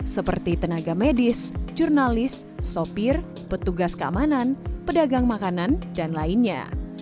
seperti tenaga medis jurnalis sopir petugas keamanan pedagang makanan dan lainnya